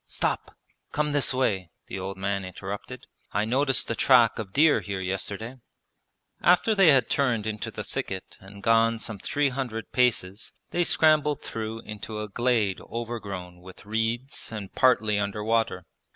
'Stop! Come this way,' the old man interrupted. 'I noticed the track of deer here yesterday.' After they had turned into the thicket and gone some three hundred paces they scrambled through into a glade overgrown with reeds and partly under water.